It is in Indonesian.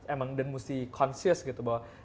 emang dan mesti consious gitu bahwa